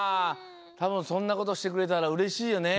たぶんそんなことしてくれたらうれしいよね。